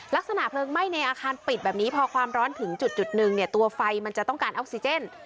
ลักษณะเพลิงไหม้ในอาคารปิดแบบนี้พอความร้อนถึงจุดหนึ่งเนี่ยตัวไฟมันจะต้องการออกซิเจน